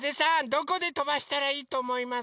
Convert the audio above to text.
どこでとばしたらいいとおもいますか？